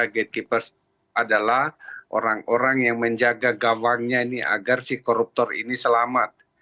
gatekeepers adalah orang orang yang menjaga gawangnya ini agar si koruptor ini selamat